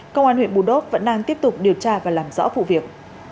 công an huyện bù đốc vẫn đang tiếp tục điều tra và làm rõ vụ việc